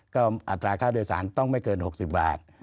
ก็อัตราค่าโดยสารต้องไม่เกิน๖๐บาท